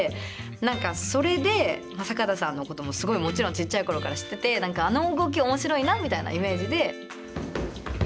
何かそれで坂田さんのこともすごいもちろんちっちゃい頃から知ってて何かあの動き面白いなみたいなイメージで。